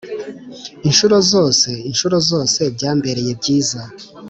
inshuro zose inshuro zosebyambereye byiza